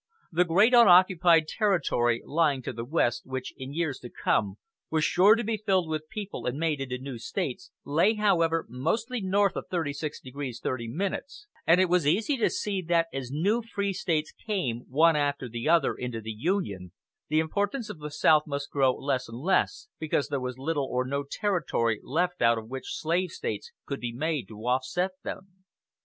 The great unoccupied territory lying to the west, which, in years to come, was sure to be filled with people and made into new States, lay, however, mostly north of 36 degrees 30 minutes; and it was easy to see that as new free States came one after the other into the Union the importance of the South must grow less and less, because there was little or no territory left out of which slave States could be made to offset them.